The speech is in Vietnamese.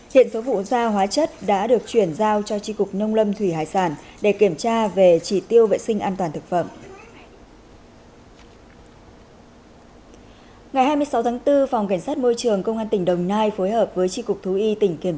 hiện số vụ da hóa chất đã được chuyển giao cho tri cục nông lâm thủy hải sản để kiểm tra về chỉ tiêu vệ sinh an toàn thực phẩm